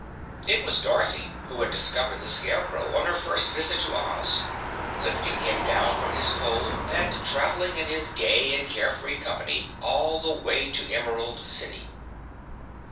It was Dorothy who had discovered the Scarecrow on her first visit to Oz, lifting him down from his pole and traveling in his gay and carefree company all the way to the Emerald City.